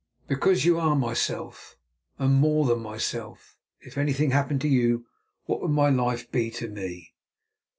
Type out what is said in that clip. "Because you are myself and more than myself. If anything happened to you, what would my life be to me?"